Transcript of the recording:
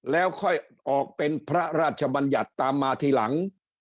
แล้วค่อยออกเป็นพระราชบัญญัติตามมาทีหลัง